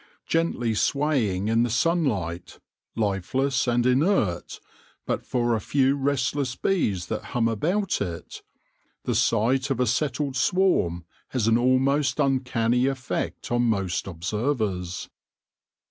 Gently swaying in the sunlight, lifeless and inert but for a few restless bees that hum about it, the sight of a settled swarm has an almost uncanny effect on most observers.